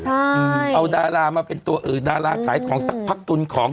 ใช่เอาดารามาเป็นตัวเออดาราขายของสักพักตุนของ